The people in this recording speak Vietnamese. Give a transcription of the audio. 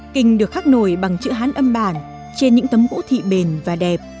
kinh được khắc nổi bằng chữ hán âm bản trên những tấm gỗ thị bền và đẹp